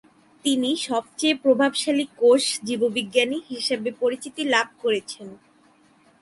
তিনি সবচেয়ে প্রভাবশালী কোষ জীববিজ্ঞানী হিসেবে পরিচিতি লাভ করেছেন।